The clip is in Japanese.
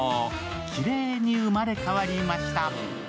きれいに生まれ変わりました。